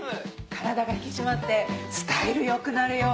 体が引き締まってスタイル良くなるよ！